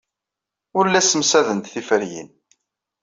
Ur la ssemsadent tiferyin.